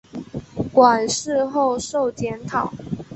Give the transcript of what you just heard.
馆试后授检讨。